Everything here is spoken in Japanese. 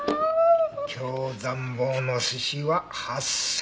京山房の寿司は８０００円。